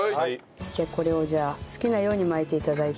でこれをじゃあ好きなように巻いて頂いて。